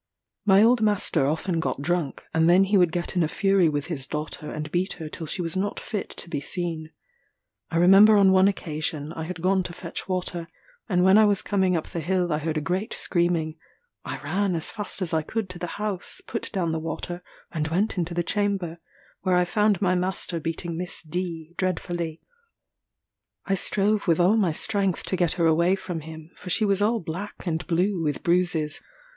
My old master often got drunk, and then he would get in a fury with his daughter, and beat her till she was not fit to be seen. I remember on one occasion, I had gone to fetch water, and when I Was coming up the hill I heard a great screaming; I ran as fast as I could to the house, put down the water, and went into the chamber, where I found my master beating Miss D dreadfully. I strove with all my strength to get her away from him; for she was all black and blue with bruises.